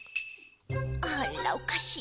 あらおかしいわね。